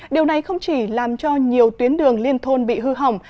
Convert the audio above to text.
điều này không chỉ làm cho nhiều tuyến đường liên thôn bị hư hỏng